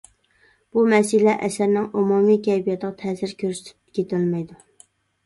بۇ مەسىلە ئەسەرنىڭ ئومۇمىي كەيپىياتىغا تەسىر كۆرسىتىپ كېتەلمەيدۇ.